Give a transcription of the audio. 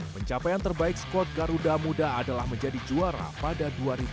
pencapaian terbaik skor garuda muda adalah menjadi juara pada dua ribu sembilan belas